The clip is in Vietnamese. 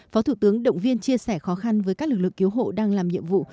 phó thủ tướng động viên chia sẻ khó khăn với các lực lượng cứu hộ đang làm nhiệm vụ